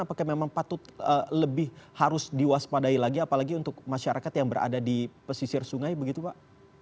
apakah memang patut lebih harus diwaspadai lagi apalagi untuk masyarakat yang berada di pesisir sungai begitu pak